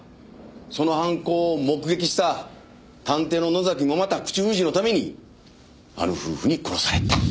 その犯行を目撃した探偵の野崎もまた口封じのためにあの夫婦に殺された。